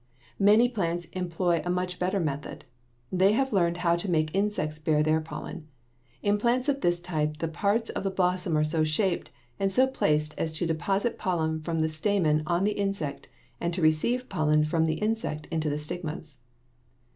Many plants employ a much better method. They have learned how to make insects bear their pollen. In plants of this type the parts of the blossom are so shaped and so placed as to deposit pollen from the stamen on the insect and to receive pollen from the insect on the stigmas.